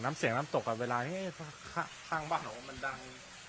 น้ำเสียงน้ำตกก็เวลาเฮ้ยท่างบ้านมันดัง